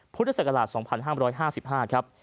พศ๒๕๕๕ครับ